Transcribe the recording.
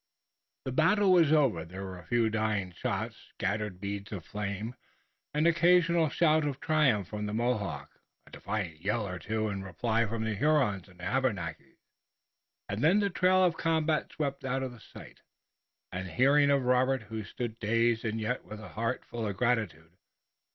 The battle was over. There were a few dying shots, scattered beads of flame, an occasional shout of triumph from the Mohawks, a defiant yell or two in reply from the Hurons and the Abenakis, and then the trail of the combat swept out of the sight and hearing of Robert, who stood dazed and yet with a heart full of gratitude.